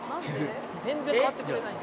「全然代わってくれない」